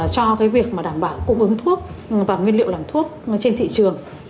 cho cái việc mà đảm bảo cung ứng thuốc và nguyên liệu làm thuốc trên thị trường